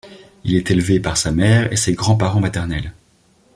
Il est élevé par sa mère et ses grands-parents maternels.